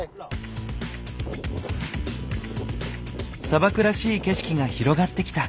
砂漠らしい景色が広がってきた。